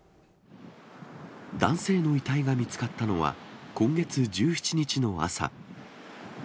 男性の遺体が見つかったのは今月１７日の朝。